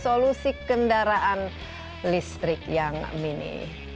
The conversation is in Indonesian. solusi kendaraan listrik yang mini